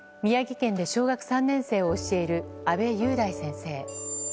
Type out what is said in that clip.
宮城県で小学３年生を教える阿部優大先生。